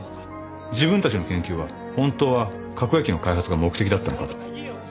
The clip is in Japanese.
自分たちの研究は本当は核兵器の開発が目的だったのかと。